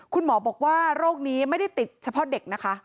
คุณหมอบอกว่าโรคนี้ไม่ได้ติดเฉพาะเด็กนะคะ